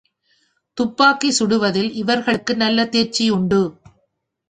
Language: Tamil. துப்பாக்கி சுடுவதில் இவர்களுக்கு நல்ல தேர்ச்சி உண்டு.